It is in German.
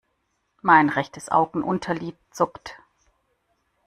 Mein rechtes Augenunterlid zuckt.